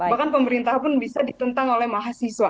bahkan pemerintah pun bisa ditentang oleh mahasiswa